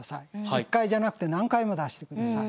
１回じゃなくて何回も出してください。